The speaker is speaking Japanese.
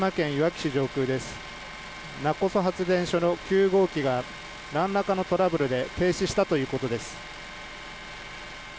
勿来発電所の９号機が何らかのトラブルで停止したということです。